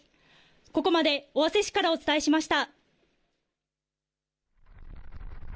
ここまで尾鷲市からお伝えしました。